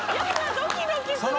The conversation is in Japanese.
ドキドキする！